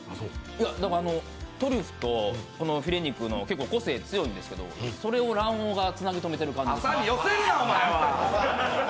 なんかトリュフとフィレ肉の結構個性強いんですけど、それが卵黄がつなぎ止めてる感じ。